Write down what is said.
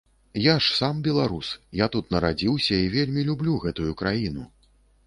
Я ж сам беларус, я тут нарадзіўся і вельмі люблю гэтую краіну.